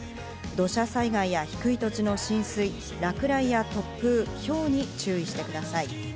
土砂災害や低い土地の浸水、落雷や突風、ひょうに注意してください。